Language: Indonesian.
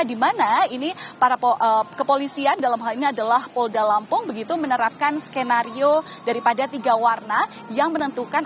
di mana ini para kepolisian dalam hal ini adalah polda lampung begitu menerapkan skenario daripada tiga warna yang menentukan